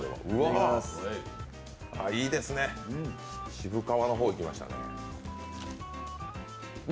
あ、いいですね、渋皮の方いきましたね。